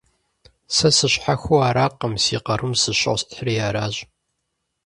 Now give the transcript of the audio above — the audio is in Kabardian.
Сэ сыщхьэхыу аракъым, си къарум сыщосхьри аращ.